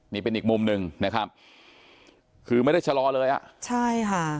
นี่เป็นอีกมุมหนึ่งนะครับคือไม่ได้ชะลอเลยอ่ะใช่ค่ะ